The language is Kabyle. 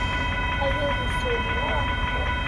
Aya ur yessewham ara.